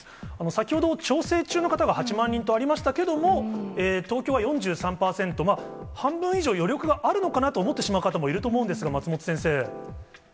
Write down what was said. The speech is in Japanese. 先ほど調整中の方が８万人とありましたけども、東京は４３％、半分以上、余力があるのかなと思ってしまう方もいると思うんですが、松本先生。